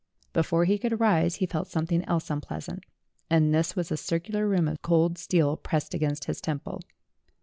Before he could rise he felt something else unpleasant, and this was a cir cular rim of cold steel pressed against his temple.